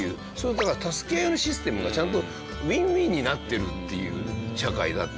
だから助け合いのシステムがちゃんとウィンウィンになってるっていう社会だったみたいなんですよね。